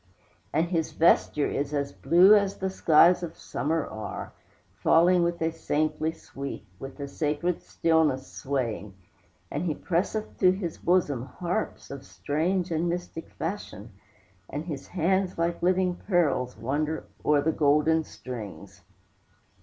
And his vesture is as blue As the skies of summer are, Falling with a saintly sweep, With a sacred stillness swaying; And he presseth to his bosom Harps of strange and mystic fashion, And his hands, like living pearls, Wander o'er the golden strings.